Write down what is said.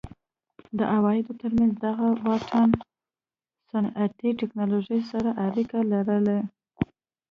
د عوایدو ترمنځ دغه واټن صنعتي ټکنالوژۍ سره اړیکه لري.